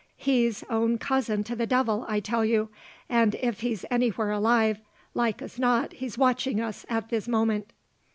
He's own cousin to the devil, I tell you; and if he's anywhere alive, like as not he's watching us at this moment."